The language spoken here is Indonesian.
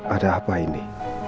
ada apa ini